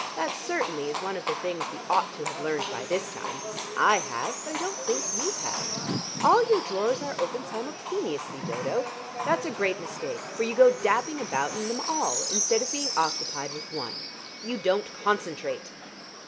That certainly is one of the things we ought to have learned by this time. I have, but I don't think you have. All your drawers are open simultaneously, Dodo. That's a great mistake, for you go dabbing about in them all, instead of being occupied with one. You don't concentrate!"